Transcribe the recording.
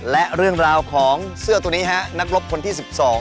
และเรื่องราวของเสื้อตัวนี้ฮะนักรบคนที่๑๒